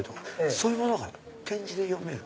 そういうものが点字で読める？